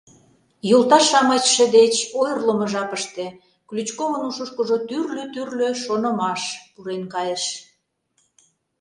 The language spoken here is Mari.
Йолташ-шамычше деч ойырлымо жапыште Ключковын ушышкыжо тӱрлӧ-тӱрлӧ шонымаш пурен кайыш.